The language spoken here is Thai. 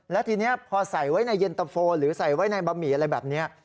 แล้วทีนี้พอใส่ไว้ในเย็นตะโฟหรือใส่ไว้ในบะหมี่อะไรแบบนี้